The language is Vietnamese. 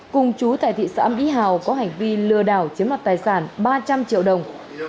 cùng chú tại thị xã mỹ hào có hành vi lừa đảo chiếm đoạt tài sản ba trăm linh triệu đồng